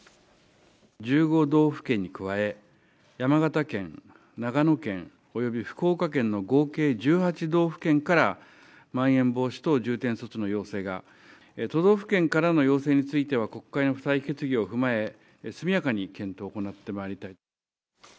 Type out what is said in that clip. １５道府県に加え、山形県、長野県および福岡県の合計１８道府県から、まん延防止等重点措置の要請が、都道府県からの要請については、国会の付帯決議を踏まえ、速やかに検討を行ってまいりたい。